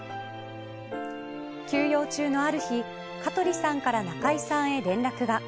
休養中のある日香取さんから中居さんへ連絡が。